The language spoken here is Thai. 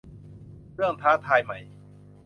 เรื่องท้าทายใหม่